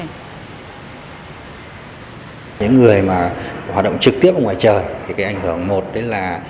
những người mà hoạt động trực tiếp ở ngoài trời thì cái ảnh hưởng một đấy là